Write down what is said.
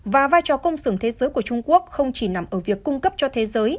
và vai trò công sưởng thế giới của trung quốc không chỉ nằm ở việc cung cấp cho thế giới